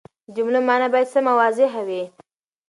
د جملو مانا باید سمه او واضحه وي.